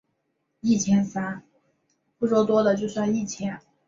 以杭州至黄山方向。